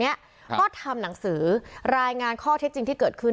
มีกล้วยติดอยู่ใต้ท้องเดี๋ยวพี่ขอบคุณ